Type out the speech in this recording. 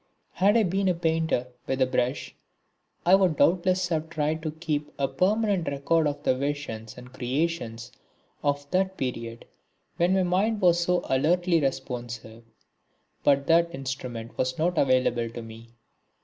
Had I been a painter with the brush I would doubtless have tried to keep a permanent record of the visions and creations of that period when my mind was so alertly responsive. But that instrument was not available to me.